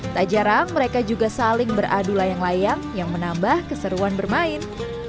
tak jarang mereka juga saling beradu layang layang yang menambah keseruan bermain